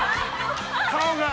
顔が。